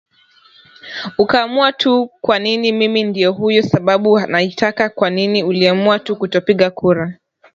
ukaamua tu kwanini mimi ndio hiyo sababu naitaka kwa nini uliamua tu kutopiga kura